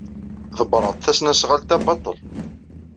Ḍebbreɣ-d tasnasɣalt-a baṭel.